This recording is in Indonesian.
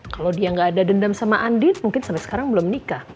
kalau dia nggak ada dendam sama andi mungkin sampai sekarang belum nikah